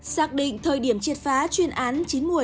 xác định thời điểm triệt phá chuyên án chín một mươi